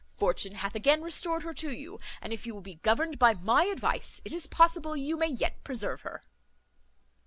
Fortune hath again restored her to you, and if you will be governed by my advice, it is possible you may yet preserve her."